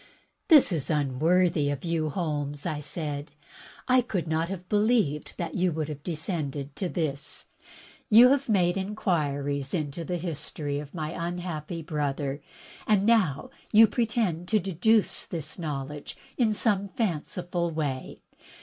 "This is unworthy of you. Holmes," I said. "I could not have believed that you would have descended to this. You have made inquiries into the history of my imhappy brother, and you now pre tend to deduce this knowledge in some fanciful way.